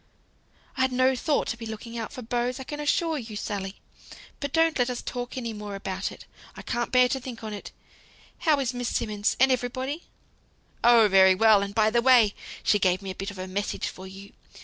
"I'd no thought to be looking out for beaux, I can assure you, Sally. But don't let us talk any more about it; I can't bear to think on it. How is Miss Simmonds? and everybody?" "Oh, very well; and by the way she gave me a bit of a message for you.